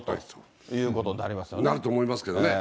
なると思いますけどね。